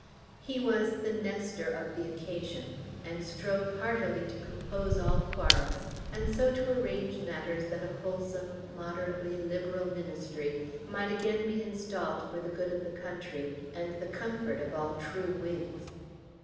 He was the Nestor of the occasion, and strove heartily to compose all quarrels, and so to arrange matters that a wholesome, moderately Liberal Ministry might be again installed for the good of the country and the comfort of all true Whigs.